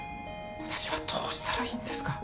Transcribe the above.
私はどうしたらいいんですか？